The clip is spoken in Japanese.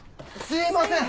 すいません。